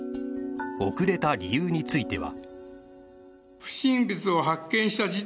遅れた理由については。